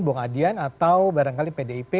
bung adian atau barangkali pdip